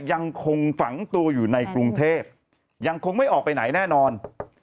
ยังคงฝังตัวอยู่ในกรุงเทพยังคงไม่ออกไปไหนแน่นอน